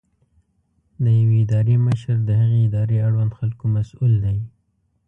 د یوې ادارې مشر د هغې ادارې اړوند خلکو مسؤل دی.